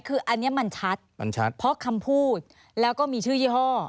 คืออันนี้มันชัดมันชัดเพราะคำพูดแล้วก็มีชื่อยี่ห้อ